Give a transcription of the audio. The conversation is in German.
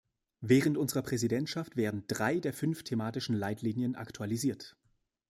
Während unserer Präsidentschaft werden drei der fünf thematischen Leitlinien aktualisiert.